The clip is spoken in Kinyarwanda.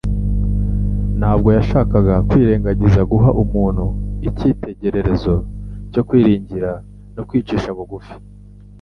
Ntabwo yashakaga kwirengagiza guha umuntu icyitegererezo cyo kwiringira no kwicisha bugufi,